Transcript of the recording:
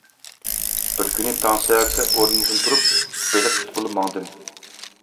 بىر كۈنى تاڭ سەھەردە ئورنۇمدىن تۇرۇپ بېلىق تۇتقىلى ماڭدىم.